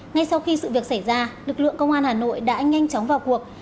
ngay sau khi sự việc xảy ra lực lượng công an hà nội đã nhanh chóng vào cuộc